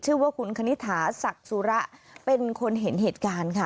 ชื่อว่าคุณคณิฐาสักซุระเป็นคนเห็นเหตุการณ์